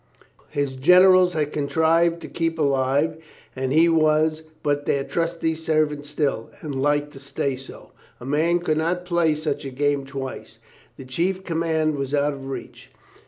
His generals had contrived to keep alive, and he was but their trusty servant still, and like to stay so. A man could not play such a game twice. The chief command was out of reach.